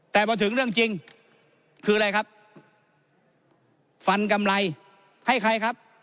แต่พอถึงเรื่องจริงคืออะไรครับฟันกำไรให้ใครครับ